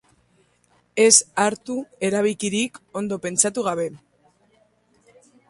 Ez hartu erabikirik ondo pentsatu gabe!